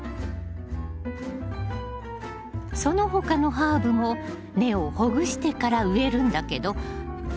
その他のハーブも根をほぐしてから植えるんだけどあっ！